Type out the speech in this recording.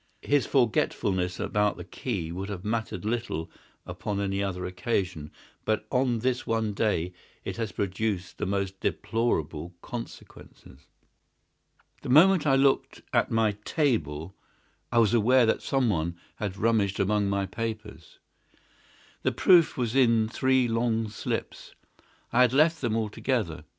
His forgetfulness about the key would have mattered little upon any other occasion, but on this one day it has produced the most deplorable consequences. "The moment I looked at my table I was aware that someone had rummaged among my papers. The proof was in three long slips. I had left them all together.